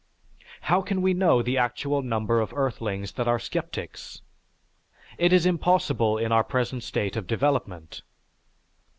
How can we know the actual number of earthlings that are sceptics? It is impossible in our present state of development.